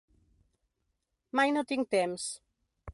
Mai no tinc temps.